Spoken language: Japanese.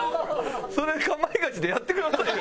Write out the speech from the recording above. それ『かまいガチ』でやってくださいよ